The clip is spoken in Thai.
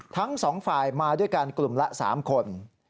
ทั้งสองฝ่ายมาด้วยกันกลุ่มละ๓คน